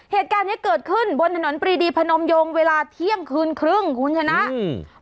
เหตุการณ์เนี้ยเกิดขึ้นบนถนนปรีดีพนมยงเวลาเที่ยงคืนครึ่งคุณชนะอืม